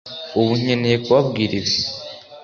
ubu nkeneye kubabwira ibi